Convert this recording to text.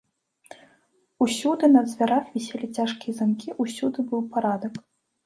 Усюды на дзвярах віселі цяжкія замкі, усюды быў парадак.